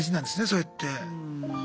そうやって。